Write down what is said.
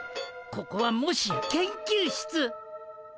ここはもしや研究室。